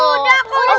udah kok udah